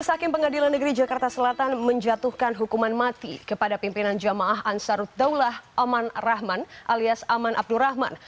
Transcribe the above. majelis hakim pengadilan negeri jakarta selatan menjatuhkan hukuman mati kepada pimpinan jamaah ansarut daulah aman rahman alias aman abdurrahman